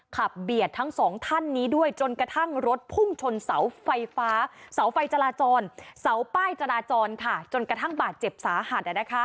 เบียดทั้งสองท่านนี้ด้วยจนกระทั่งรถพุ่งชนเสาไฟฟ้าเสาไฟจราจรเสาป้ายจราจรค่ะจนกระทั่งบาดเจ็บสาหัส